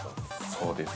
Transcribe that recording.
◆そうです。